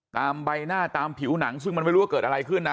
ใบหน้าตามผิวหนังซึ่งมันไม่รู้ว่าเกิดอะไรขึ้นนะ